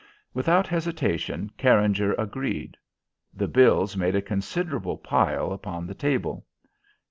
Without hesitation Carringer agreed. The bills made a considerable pile upon the table.